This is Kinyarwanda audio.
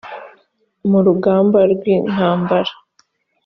mu rugamba rw intambara